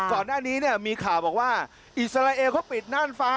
ก่อนหน้านี้เนี่ยมีข่าวบอกว่าอิสราเอลเขาปิดน่านฟ้า